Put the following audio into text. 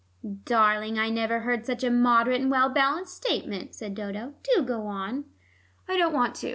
"Darling, I never heard such a moderate and well balanced statement," said Dodo. "Do go on." "I don't want to.